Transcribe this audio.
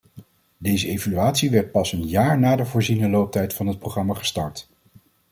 Deze evaluatie werd pas een jaar na de voorziene looptijd van het programma gestart.